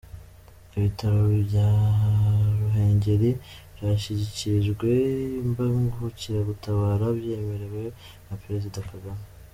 Ibitaro bya Ruhengeli byashyikirijwe imbangukiragutabara byemerewe na Perezida Kagame.